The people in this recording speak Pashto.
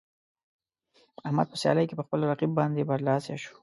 احمد په سیالۍ کې په خپل رقیب باندې برلاسی شو.